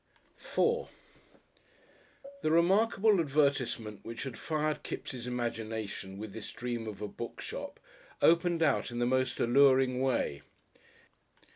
§4 The remarkable advertisement which had fired Kipps' imagination with this dream of a bookshop opened out in the most alluring way.